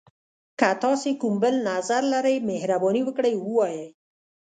که تاسي کوم بل نظر لری، مهرباني وکړئ ووایئ.